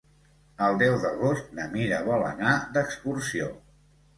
El deu d'agost na Mira vol anar d'excursió.